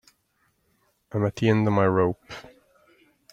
I'm at the end of my rope.